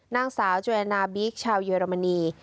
นางสาวเจรนาบิ๊กชาวเยอรมนี